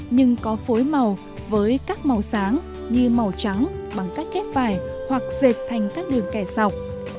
nhưng có phối màu với các màu sáng như màu trắng bằng cách ghép vải hoặc dệt thành các đường kẻ sọc